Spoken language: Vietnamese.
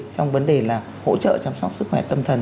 trong vấn đề là hỗ trợ chăm sóc sức khỏe tâm thần